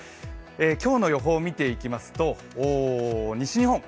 今日の予報を見ていきますと西日本。